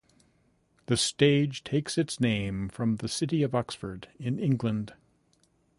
The stage takes its name from the city of Oxford in England.